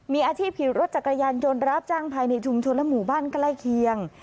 มีอาชีพขี่รถจักรยานยนต์รับจ้างภายในชุมชนและหมู่บ้านใกล้เคียง